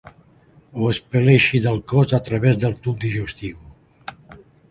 Ho expel·leixi del cos a través del tub digestiu.